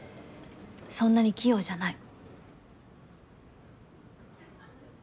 そんなに器用じゃない。